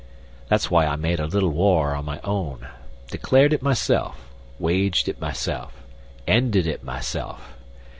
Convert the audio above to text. That's why I made a little war on my own. Declared it myself, waged it myself, ended it myself.